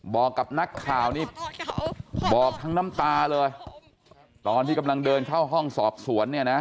บอกกับนักข่าวนี่บอกทั้งน้ำตาเลยตอนที่กำลังเดินเข้าห้องสอบสวนเนี่ยนะ